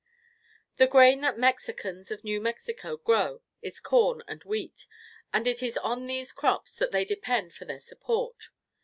The grain that Mexicans of New Mexico grow is corn and wheat, and it is on these crops that they depend for their support.